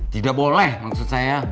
tidak boleh maksud saya